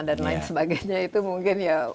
dan lain sebagainya itu mungkin ya